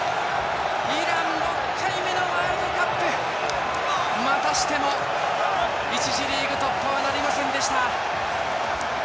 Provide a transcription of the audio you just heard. イラン、６回目のワールドカップまたしても１次リーグ突破はなりませんでした。